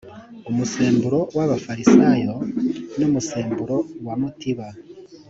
umusemburo w abafarisayo n umusemburo wa mutiba